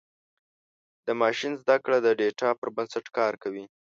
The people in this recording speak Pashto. د ماشین زدهکړه د ډیټا پر بنسټ کار کوي.